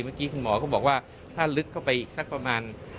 เมื่อกี้คุณหมอก็บอกว่าถ้าลึกเข้าไปอีกสักประมาณ